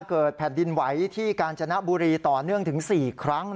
เกิดแผ่นดินไหวที่กาญจนบุรีต่อเนื่องถึง๔ครั้ง